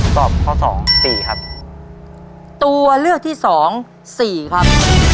ตอบข้อสองสี่ครับตัวเลือกที่สองสี่ครับ